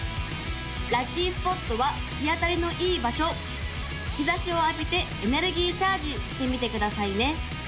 ・ラッキースポットは日当たりのいい場所日差しを浴びてエネルギーチャージしてみてくださいね・